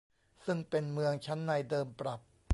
ซึ่งเป็นเมืองชั้นในเดิมปรับ